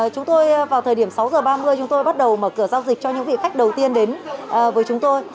chúng tôi vào thời điểm sáu h ba mươi chúng tôi bắt đầu mở cửa giao dịch cho những vị khách đầu tiên đến với chúng tôi